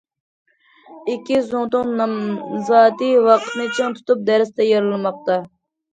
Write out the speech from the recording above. ئىككى زۇڭتۇڭ نامزاتى ۋاقىتنى چىڭ تۇتۇپ« دەرس تەييارلىماقتا».